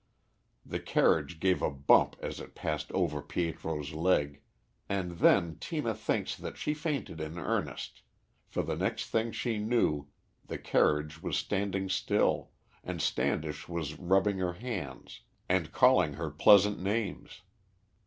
The carriage gave a bump as it passed over Pietro's leg, and then Tina thinks that she fainted in earnest, for the next thing she knew the carriage was standing still, and Standish was rubbing her hands and calling her pleasant names.